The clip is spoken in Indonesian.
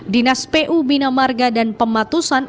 dinas pu bina marga dan pematusan